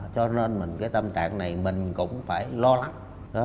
cho nên mình cái tâm trạng này mình cũng phải lo lắng